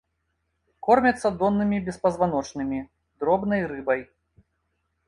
Кормяцца доннымі беспазваночнымі, дробнай рыбай.